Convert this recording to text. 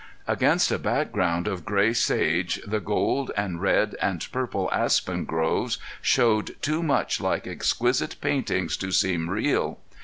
Against a background of gray sage the gold and red and purple aspen groves showed too much like exquisite paintings to seem real.